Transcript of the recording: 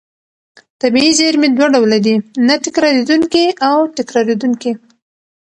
طبیعي زېرمې دوه ډوله دي: نه تکرارېدونکې او تکرارېدونکې.